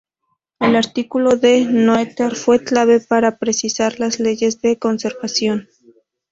El artículo de Noether fue clave para precisar las leyes de conservación.